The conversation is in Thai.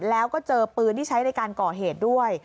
แล้วก็เจอปืนที่ใช้ในการก่อเหตุด้วย